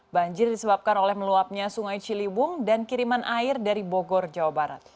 banjir disebabkan oleh meluapnya sungai ciliwung dan kiriman air dari bogor jawa barat